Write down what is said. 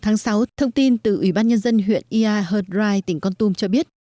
ngày một sáu thông tin từ ủy ban nhân dân huyện ia hợt rai tỉnh con tum cho biết